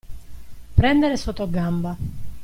Prendere sotto gamba.